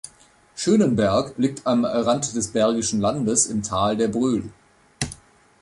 Schönenberg liegt am Rand des Bergischen Landes im Tal der Bröl.